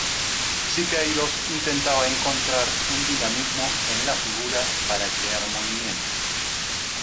Siqueiros intentaba encontrar un dinamismo en la figura para crear movimiento.